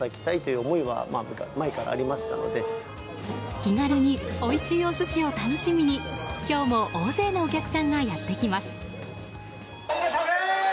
気軽においしいお寿司を楽しみに今日も大勢のお客さんがやってきます。